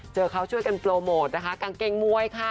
เจอเขาช่วยกันโปรโมทกางเกงมวยค่ะ